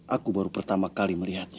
aku baru pertama kali melihatnya